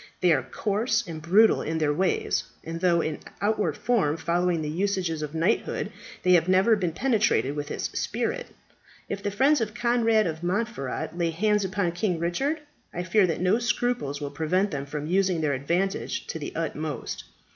They are coarse and brutal in their ways; and though in outward form following the usages of knighthood, they have never been penetrated with its spirit. If the friends of Conrad of Montferat lay hands upon King Richard, I fear that no scruples will prevent them from using their advantage to the utmost.